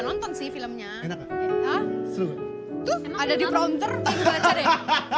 nonton sih filmnya ada di pronter hahaha